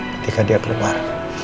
ketika dia keluar